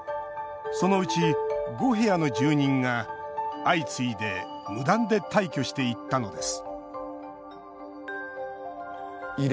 そのうち、５部屋の住人が相次いで無断で退去していったのです